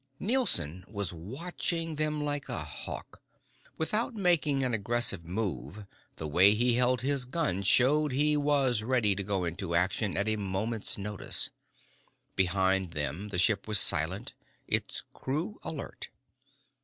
Nielson was watching them like a hawk. Without making an aggressive move, the way he held his gun showed he was ready to go into action at a moment's notice. Behind them, the ship was silent, its crew alert.